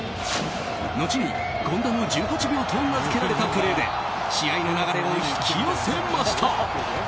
のちに、権田の１８秒と名付けられたプレーで試合の流れを引き寄せました。